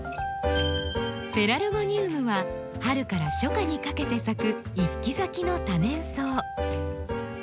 ペラルゴニウムは春から初夏にかけて咲く一季咲きの多年草。